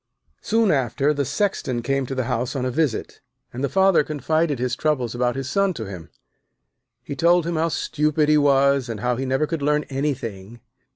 Soon after, the Sexton came to the house on a visit, and the Father confided his troubles about his son to him. He told him how stupid he was, and how he never could learn anything.